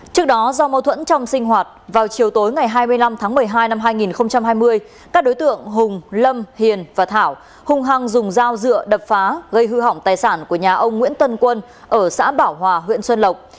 trước đó do mâu thuẫn trong sinh hoạt vào chiều tối ngày hai mươi năm tháng một mươi hai năm hai nghìn hai mươi các đối tượng hùng lâm hiền và thảo hung hăng dùng dao dựa đập phá gây hư hỏng tài sản của nhà ông nguyễn tân quân ở xã bảo hòa huyện xuân lộc